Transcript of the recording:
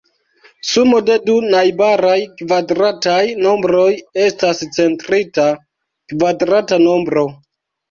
Sumo de du najbaraj kvadrataj nombroj estas centrita kvadrata nombro.